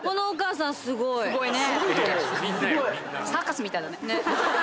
・すごいね！